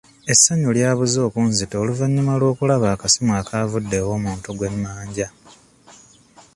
Essanyu lyabuze okunzita oluvannyuma lw'okulaba akasimu akaavudde ew'omuntu gwe mmanja.